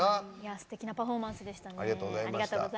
すてきなパフォーマンスでしたね。